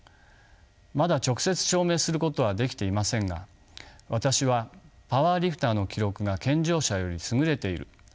まだ直接証明することはできていませんが私はパワーリフターの記録が健常者より優れている